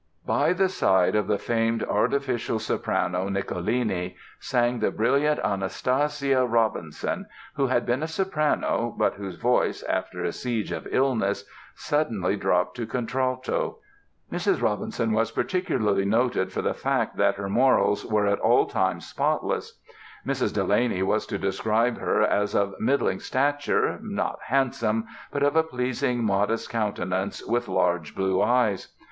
By the side of the famed artificial soprano, Nicolini, sang the brilliant Anastasia Robinson, who had been a soprano but whose voice, after a siege of illness, suddenly dropped to contralto. Mrs. Robinson was particularly noted for the fact that her morals were at all times spotless. Mrs. Delany was to describe her as "of middling stature, not handsome but of a pleasing modest countenance, with large blue eyes....